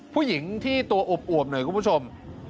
ผู้หญิงที่ตัวอวบหน่อยคุณผู้ชม